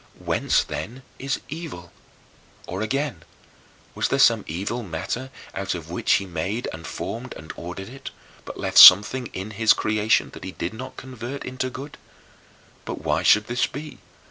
Whence, then, is evil? Or, again, was there some evil matter out of which he made and formed and ordered it, but left something in his creation that he did not convert into good? But why should this be?